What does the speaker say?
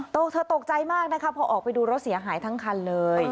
เธอตกใจมากนะคะพอออกไปดูรถเสียหายทั้งคันเลย